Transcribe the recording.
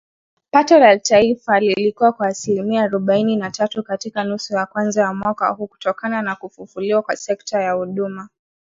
Pato la taifa lilikua kwa asilimia arobaini na tatu katika nusu ya kwanza ya mwaka huu kutokana na kufufuliwa kwa sekta ya huduma